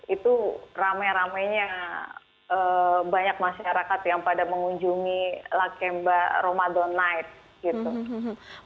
itu rame ramenya banyak masyarakat yang pada mengunjungi lakemba ramadan night gitu